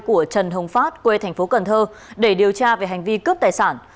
của trần hồng phát quê tp cnh để điều tra về hành vi cướp tài sản